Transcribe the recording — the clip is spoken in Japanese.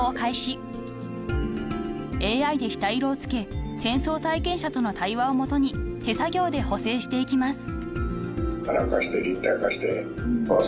［ＡＩで下色を付け戦争体験者との対話をもとに手作業で補正していきます］